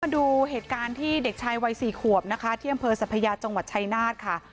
ดูเหตุการณ์ที่เด็กชายวัย๔ขวบนะคะที่อำเภอสัพยาจังหวัดชายนาฏค่ะ